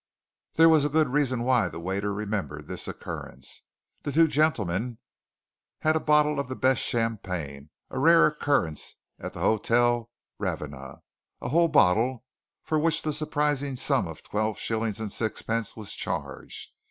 There was a good reason why the waiter remembered this occurrence the two gentlemen had a bottle of the best champagne, a rare occurrence at the Hotel Ravenna a whole bottle, for which the surprising sum of twelve shillings and sixpence was charged!